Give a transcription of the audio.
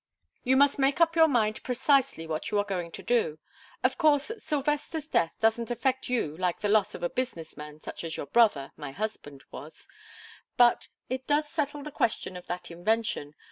"You must make up your mind precisely what you are going to do. Of course, Sylvester's death doesn't affect you like the loss of a business man such as your brother, my husband, was, but it does settle the question of that invention.